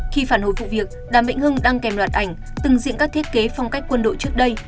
khi phản hồi vụ việc đàm vĩnh hưng đăng kèm loạt ảnh từng diễn các thiết kế phong cách quân đội trước đây